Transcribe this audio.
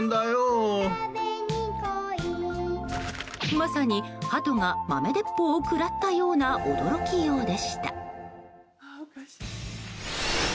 まさに、ハトが豆鉄砲を食らったような驚きようでした。